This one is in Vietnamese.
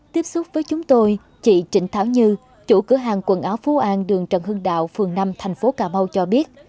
tiếp xúc với chúng tôi chị trịnh thảo như chủ cửa hàng quần áo phú an đường trần hưng đạo phường năm thành phố cà mau cho biết